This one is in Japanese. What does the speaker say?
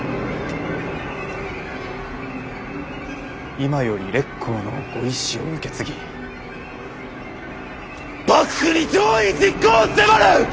今より烈公のご遺志を受け継ぎ幕府に攘夷実行を迫る！